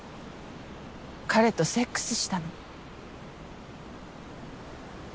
彼とセックスしたの。